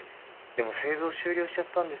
でも製造終了しちゃったんですよ。